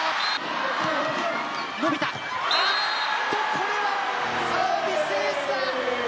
これはサービスエースだ。